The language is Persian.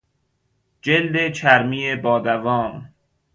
جلد چرمی با دوام